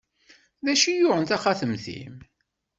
D acu i yuɣen taxatemt-im?